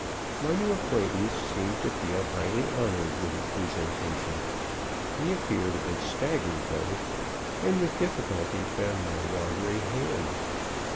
My new acquaintance seemed to feel highly honored with the presentation. He appeared a bit staggered, though, and with difficulty found my wandering hand.